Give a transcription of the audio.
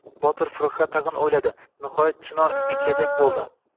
Botir firqa tag‘in o‘yladi. Nihoyat, chinor ekajak bo‘ldi.